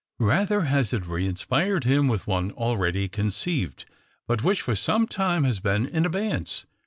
Rather has it re inspired him with one already conceived, but which, for some time, has been in abeyance.